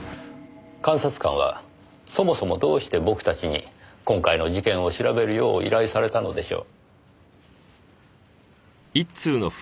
監察官はそもそもどうして僕たちに今回の事件を調べるよう依頼されたのでしょう？